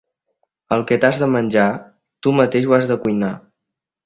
El que t'has de menjar, tu mateix ho has de cuinar.